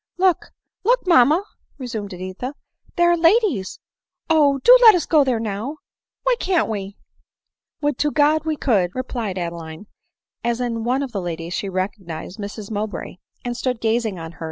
"Look — look, mamma!" resumed Editha; "there are ladies. — Oh ! do let us go there now !— why can't we?" " Would to God we could !" replied Adeline ; as in one of the ladies she recognised Mrs Mowbray, and stood gazing on her.